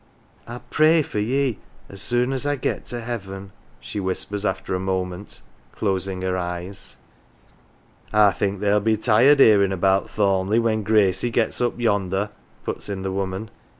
"I'll pray for ye as soon as I get to heaven," she whispers after a moment, closing her eyes. " Ah, I think they'll be tired hearin' about Thornleigh when Gracie gets up yonder," puts in the woman.